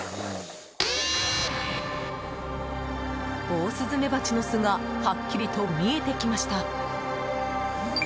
オオスズメバチの巣がはっきりと見えてきました。